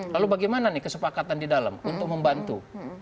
lalu bagaimana nih kesepakatan di dalam untuk membantu